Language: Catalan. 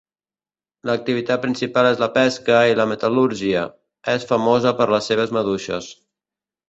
L'activitat principal és la pesca i la metal·lúrgia; és famosa per les seves maduixes.